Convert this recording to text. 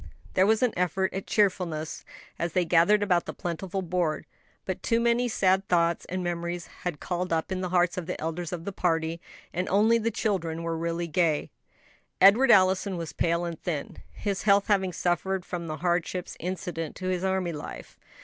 There was an effort after cheerfulness as they gathered about the plentiful board; but too many sad thoughts and memories had been called up in the hearts of the elders of the party: and only the children were really gay. Edward Allison was pale and thin, his health having suffered from the hardships incident to his army life.